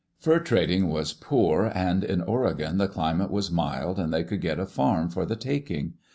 Fur trading was poor, and in Oregon the climate was mild and they could get a farm for the taking.